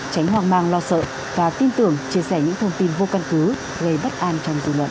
sở và tin tưởng chia sẻ những thông tin vô căn cứ gây bất an trong dụ luận